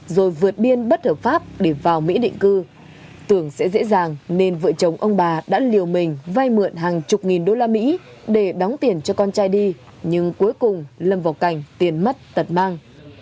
rồi vượt biên bất hợp pháp để vào mỹ định cư tưởng sẽ dễ dàng nên vợ chồng ông bà đã liều mình vay mượn hàng chục nghìn đô la mỹ để đóng tiền cho con trai đi nhưng cuối cùng lâm vào cảnh tiền mất tật mang